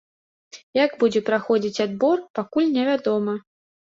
Як будзе праходзіць адбор, пакуль невядома.